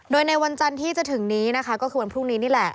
โดยในวันจันทร์ที่จะถึงนี้นะคะก็คือวันพรุ่งนี้นี่แหละ